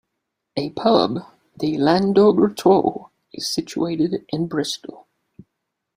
A pub, the Llandoger Trow is situated in Bristol.